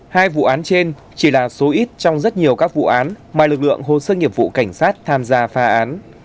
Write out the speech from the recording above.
hai vụ án trên chỉ là số ít trong rất nhiều các vụ án mà lực lượng hồ sơ nghiệp vụ cảnh sát tham gia phá án